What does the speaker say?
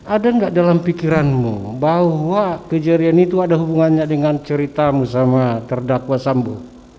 ada nggak dalam pikiranmu bahwa kejadian itu ada hubungannya dengan ceritamu sama terdakwa sambu